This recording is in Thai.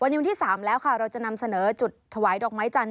วันนี้วันที่๓แล้วค่ะเราจะนำเสนอจุดถวายดอกไม้จันท